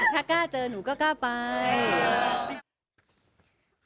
ถ้ากล้าเจอหนูก็กล้าไป